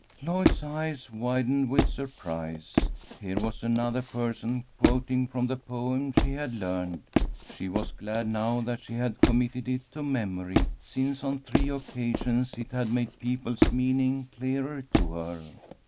Lloyd's eyes widened with surprise. Here was another person quoting from the poem she had learned. She was glad now that she had committed it to memory, since on three occasions it had made people's meaning clearer to her.